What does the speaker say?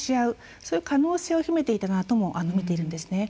そういう可能性を秘めていたとも見ているんです。